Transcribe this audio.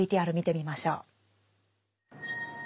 ＶＴＲ見てみましょう。